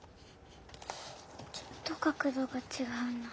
ちょっと角度がちがうな。